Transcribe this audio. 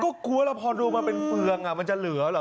ก็คุณผู้ชมพอดูมันเป็นเรื่องมันจะเหลือเหรอครับ